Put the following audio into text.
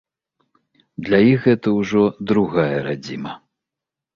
Для іх гэта ўжо другая радзіма.